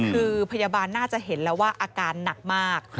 คือพยาบาลน่าจะเห็นแล้วว่าอาการหนักมาก